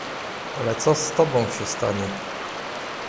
"Ale co z tobą się stanie?"